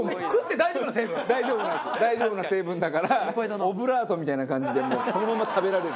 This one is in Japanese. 大丈夫なやつ大丈夫な成分だからオブラートみたいな感じでもうこのまま食べられる。